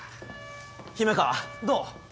姫川どう？